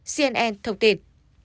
cnn thông tin